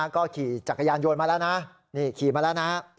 ก็ขี่จักรยานโยนมาแล้วนะนี่ขี่มาแล้วนะ